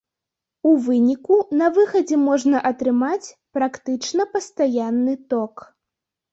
У выніку на выхадзе можна атрымаць практычна пастаянны ток.